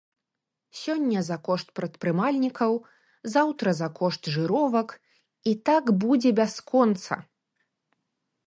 Сёння за кошт прадпрымальнікаў, заўтра за кошт жыровак, і так будзе бясконца.